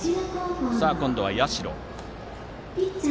今度は社。